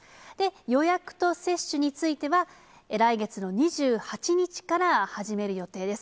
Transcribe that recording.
予約と接種については、来月の２８日から始める予定です。